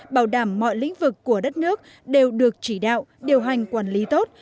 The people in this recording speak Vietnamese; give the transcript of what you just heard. bảo đảm mọi lĩnh vực của đất nước đều được chỉ đạo điều hành quản lý tốt